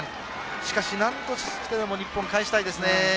しかし、なんとしても三科を日本、かえしたいですね。